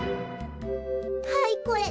はいこれ。